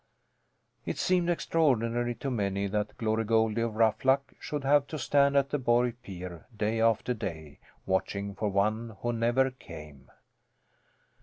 It seemed extraordinary to many that Glory Goldie of Ruffluck should have to stand at the Borg pier day after day, watching for one who never came.